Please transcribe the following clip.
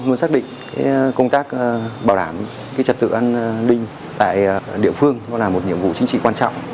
luôn xác định công tác bảo đảm trật tự an ninh tại địa phương là một nhiệm vụ chính trị quan trọng